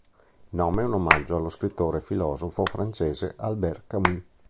Il nome è un omaggio allo scrittore e filosofo francese Albert Camus.